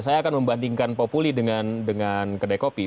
saya akan membandingkan populi dengan kedai kopi